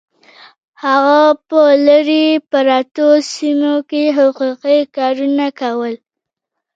هغه په لرې پرتو سیمو کې حقوقي کارونه کول